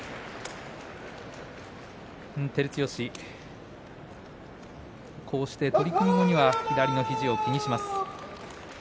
照強、こうして取組のあとに左の肘を気にしています。